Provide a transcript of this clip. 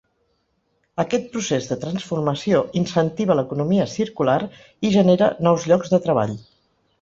Aquest procés de transformació “incentiva l’economia circular i genera nous llocs de treball”.